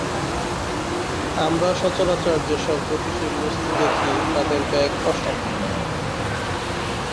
আমরা সচরাচর যেসকল গতিশীল বস্তু দেখি তাদের বেগ অসম।